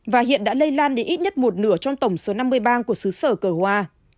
và hiện đã lây lan đi ít nhất một nửa trong tổng số năm mươi bang của xứ sở cờ hoa